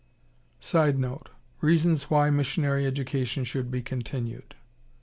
[Sidenote: Reasons why missionary education should be continued.